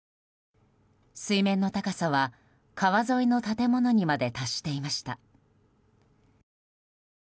水面の高さは川沿いの建物にまで達していました。